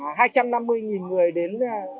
và có nhiều giao dịch